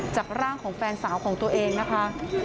จากร่างของแฟนสาวของตัวเองนะคะ